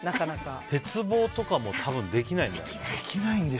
鉄棒とかも多分できないよ。